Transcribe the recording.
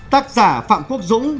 tác giả phạm quốc dũng